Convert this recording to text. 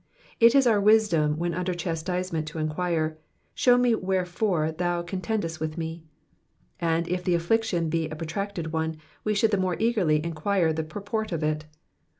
It is our wisdom when under chastisement to enquire, Show me wherefore thou coniendest with me V* and if the affliction be a protracted one, we should the more eagerly enquire the purport of it.